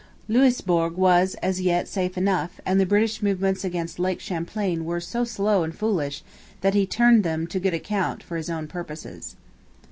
Louisbourg was, as yet, safe enough; and the British movements against Lake Champlain were so slow and foolish that he turned them to good account for his own purposes.